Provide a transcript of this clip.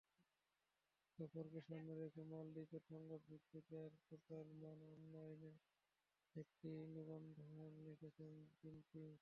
সফরকে সামনে রেখে মালদ্বীপের সংবাদভিত্তিক ওয়েবপোর্টাল সান অনলাইনে একটি নিবন্ধ লিখেছেন জিনপিং।